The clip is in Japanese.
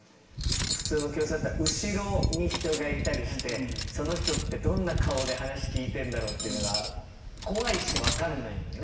普通の教室だったら後ろに人がいたりしてその人ってどんな顔で話聞いてんだろうっていうのが怖いし分かんないもんね。